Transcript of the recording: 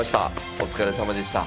お疲れさまでした。